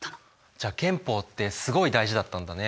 じゃあ憲法ってすごい大事だったんだね。